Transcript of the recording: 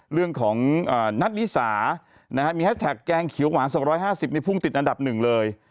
เรื่องของนัทวิสามีแฮชแท็กแกงเขียวหวาน๒๕๐ในภูมิติดอันดับ๑เลย